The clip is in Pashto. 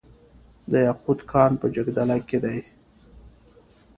د یاقوت کان په جګدلک کې دی